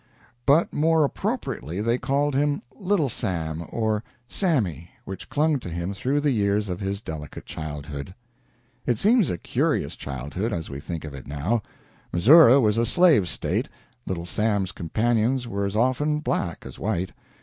But more appropriately they called him "Little Sam," or "Sammy," which clung to him through the years of his delicate childhood. It seems a curious childhood, as we think of it now. Missouri was a slave State Little Sam's companions were as often black as white.